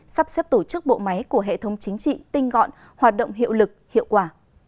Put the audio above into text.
sắp xếp tổ chức bộ máy của hệ thống chính trị tinh gọn hoạt động hiệu lực hiệu quả